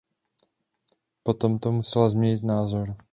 Po tomto musela změnit názor.